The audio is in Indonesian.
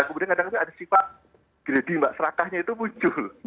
kemudian kadang kadang ada sifat geladi mbak serakahnya itu muncul